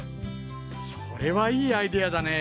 それはいいアイデアだね。